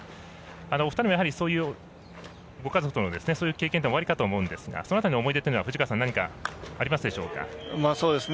お二人も、ご家族とのそういう経験っておありかと思うんですがその辺りの思い出というのは藤川さん、ありますでしょうか。